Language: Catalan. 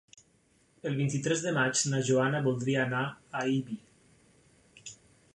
El vint-i-tres de maig na Joana voldria anar a Ibi.